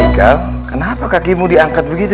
tinggal kenapa kakimu diangkat begitu